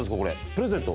プレゼント？